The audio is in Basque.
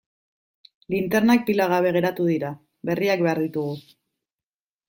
Linternak pila gabe geratu dira, berriak behar ditugu.